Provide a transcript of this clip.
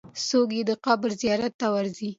څوک یې د قبر زیارت ته ورځي؟